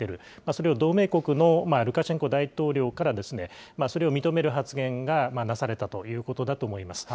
それを同盟国のルカシェンコ大統領からそれを認める発言がなされたということだと思います。